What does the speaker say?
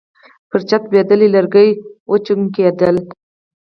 پر چت لوېدلي لرګي وچونګېدل.